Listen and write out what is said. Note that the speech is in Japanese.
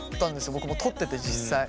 僕もう撮ってて実際。